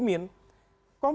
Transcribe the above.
komunikasi itu sudah dilakukan